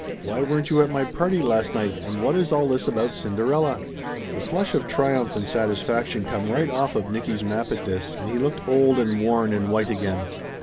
Why weren't you at my party last night and what is all this about Cinderella ?" The flush of triumph and satisfaction come right Laughter Limited 257 off of Nicky's map at this, and he looked old and worn and white again.